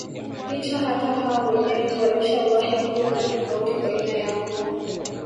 Licha hata hao wenyewe walishawahi kuwa na tofauti baina yao